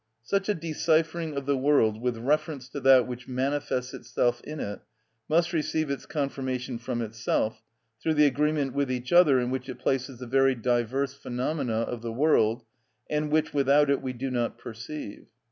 Such a deciphering of the world with reference to that which manifests itself in it must receive its confirmation from itself, through the agreement with each other in which it places the very diverse phenomena of the world, and which without it we do not perceive.